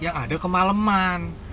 yang ada kemaleman